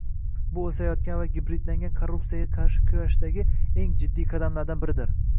Bu o'sayotgan va gibridlangan korruptsiyaga qarshi kurashdagi eng jiddiy qadamlardan biridir